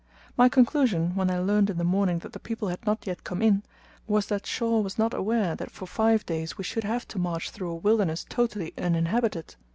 My conclusion, when I learned in the morning that the people had not yet come in, was that Shaw was not aware that for five days we should have to march through a wilderness totally uninhabited.